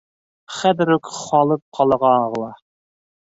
Хәҙер үк халыҡ ҡалаға ағыла!